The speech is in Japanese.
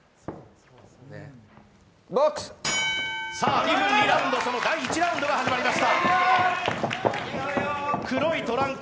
２分２ラウンド、その１ラウンドが始まりました。